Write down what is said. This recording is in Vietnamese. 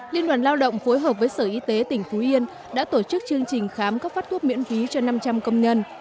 liên đoàn lao động phối hợp với sở y tế tỉnh phú yên đã tổ chức chương trình khám cấp phát thuốc miễn phí cho năm trăm linh công nhân